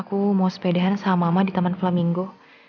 aku mau sepedahan sama mama di taman flaminggo